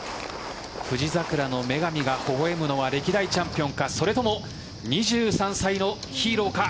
富士桜の女神がほほ笑むのは歴代チャンピオンかそれとも２３歳のヒーローか。